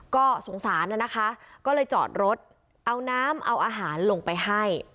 ก็สงสารน่ะนะคะก็เลยจอดรถเอาน้ำเอาอาหารลงไปให้